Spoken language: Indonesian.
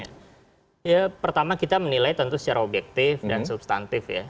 ya pertama kita menilai tentu secara objektif dan substantif ya